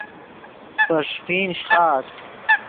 پے ݰیفین شیخآت